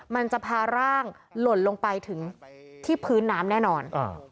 มันจะพาร่างหล่นลงไปถึงที่พื้นน้ำแน่นอน